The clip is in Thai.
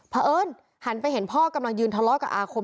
เพราะเอิญหันไปเห็นพ่อกำลังยืนทะเลาะกับอาคม